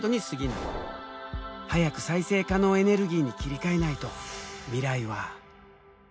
早く再生可能エネルギーに切り替えないと未来は。